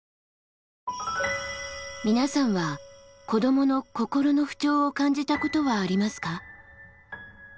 皆さんは子どもの心の不調を感じたことはありますか？